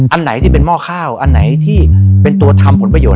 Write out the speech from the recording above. อันไหนที่เป็นหม้อข้าวอันไหนที่เป็นตัวทำผลประโยชน